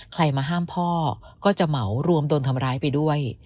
ใครมาห้ามพ่อก็จะเหมารวมโดนทำร้ายไปด้วย